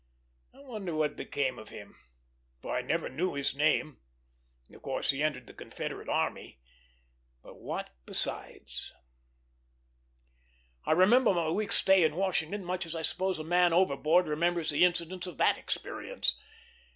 I wonder what became of him, for I never knew his name. Of course he entered the Confederate army; but what besides? I remember my week's stay in Washington much as I suppose a man overboard remembers the incidents of that experience.